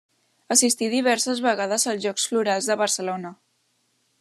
Assistí diverses vegades als Jocs Florals de Barcelona.